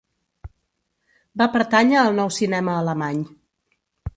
Va pertànyer al Nou cinema alemany.